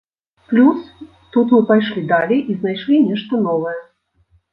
Плюс, тут мы пайшлі далей і знайшлі нешта новае.